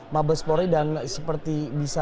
mabespori dan seperti bisa